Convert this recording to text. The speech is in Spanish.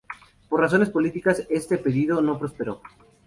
Por razones políticas este pedido no prosperó.